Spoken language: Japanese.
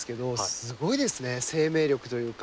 すごいですね生命力というか。